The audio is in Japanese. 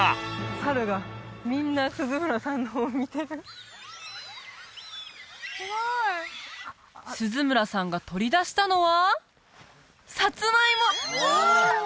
猿がみんな鈴村さんの方を見てる鈴村さんが取り出したのはサツマイモ！